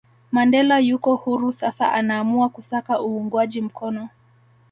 Mandela yuko huru sasa anaamua kusaka uungwaji mkono